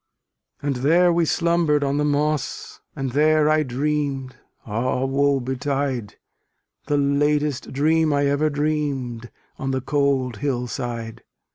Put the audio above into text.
And there we slumber'd on the moss, And there I dream'd, ah woe betide, The latest dream I ever dream'd On the cold hill side.